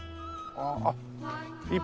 ああ